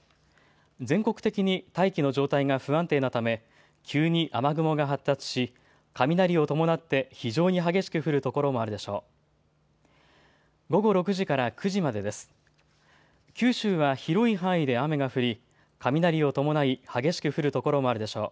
全国的に大気の状態が不安定なため急に雨雲が発達し、雷を伴って非常に激しく降る所もあるでしょう。